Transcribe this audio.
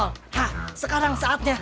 hah sekarang sampai di sini lino